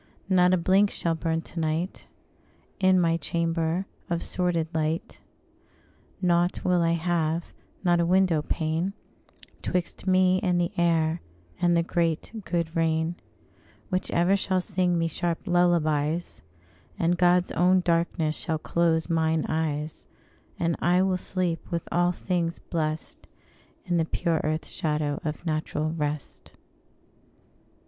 Not a blink shall burn to night In my chamber, of sordid light; Nought will I have, not a window pane, 'Twixt me and the air and the great good rain, Which ever shall sing me sharp lullabies; And God's own darkness shall close mine eyes; And I will sleep, with all things blest, In the pure earth shadow of natural rest.